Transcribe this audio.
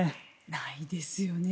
ないですよね。